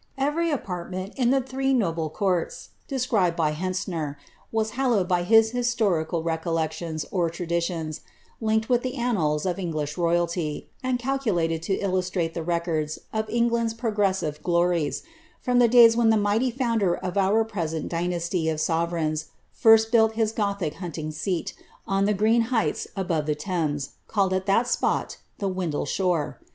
Every apartment in the three noble courts, described by Hentzner, was hallowed by his torical recollections or traditions, linked with the annals of English rojralty, and calculated to illustrate the records of England's progressive glories, from tlie days when the mighty founder of our present dynasty of sovereigns, first built his gothic hunting seat, on the green heights above the Thames, called at that spot, the Windle shore.